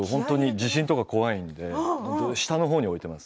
地震が怖いので下のほうに置いています。